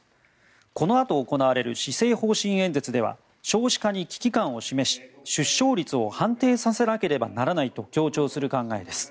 このあと行われる施政方針演説では少子化に危機感を示し出生率を反転させなければならないと強調する考えです。